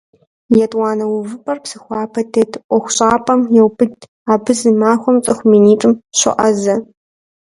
Етӏуанэ увыпӏэр Псыхуабэ дэт ӏуэхущӏапӏэм еубыд - абы зы махуэм цӏыху минитӏым щоӏэзэ.